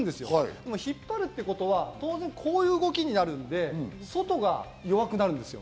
でも引っ張るってことは当然こういう動きになるんで、外が弱くなるんです。